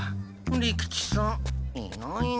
利吉さんいないな。